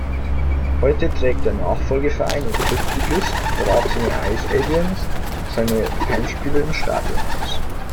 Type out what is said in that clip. Heute trägt der Nachfolgeverein und Drittligist Ratinger Ice Aliens seine Heimspiele im Stadion aus.